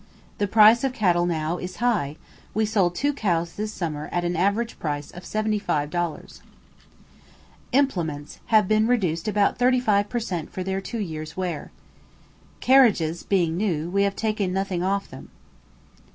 The price of cattle now is high; we sold two cows this summer at an average price of 75 dollars. Implements have been reduced about 35 per cent for their two years' wear. Carriages being new, we have taken nothing off them.